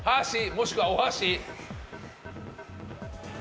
もしくはお箸！